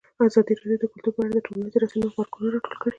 ازادي راډیو د کلتور په اړه د ټولنیزو رسنیو غبرګونونه راټول کړي.